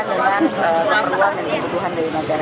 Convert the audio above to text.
dan kebutuhan dari masyarakat miskin